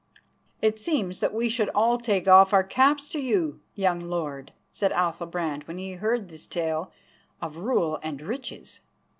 "It seems that we should all take off our caps to you, young lord," said Athalbrand when he heard this tale of rule and riches.